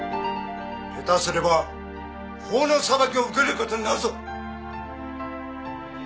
下手すれば法の裁きを受ける事になるぞ。